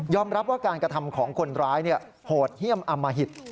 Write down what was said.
รับว่าการกระทำของคนร้ายโหดเยี่ยมอมหิต